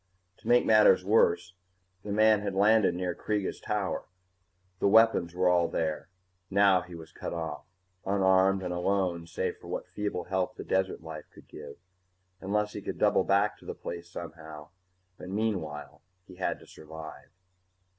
To make matters worse, the man had landed near Kreega's tower. The weapons were all there now he was cut off, unarmed and alone save for what feeble help the desert life could give. Unless he could double back to the place somehow but meanwhile he had to survive.